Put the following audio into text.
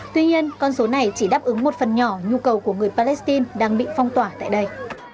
tuy nhiên con số này chỉ đáp ứng một phần nhỏ nhu cầu của người palestine đang bị phong tỏa tại đây